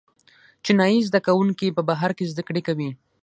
چینايي زده کوونکي په بهر کې زده کړې کوي.